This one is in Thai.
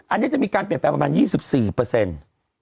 อันนี้จะมีการเปลี่ยนแปลงประมาณ๒๔เปอร์เซ็นต์